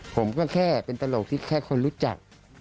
ผมก็แค่เป็นตลกที่แค่คนรู้จัก